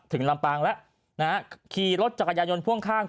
ถึงลำพังแล้วขี่รถจักรยานยนต์พ่วงข้าง